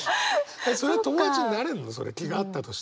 それ友達になれるの？